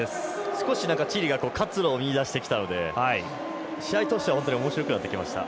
少しチリが活路を見いだしてきたので試合としてはおもしろくなってきました。